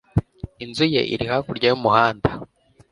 Inzu ye iri hakurya y'umuhanda.